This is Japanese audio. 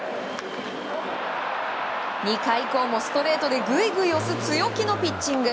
２回以降もストレートでぐいぐい押す強気のピッチング。